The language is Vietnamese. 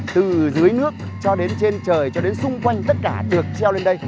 từ dưới nước cho đến trên trời cho đến xung quanh tất cả được treo lên đây